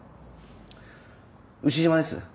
牛島です。